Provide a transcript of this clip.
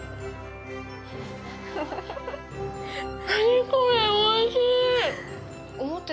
何これ、おいしい。